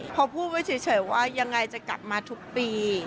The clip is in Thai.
พอพูดไว้เฉยว่ายังไงจะกลับมาทุกปี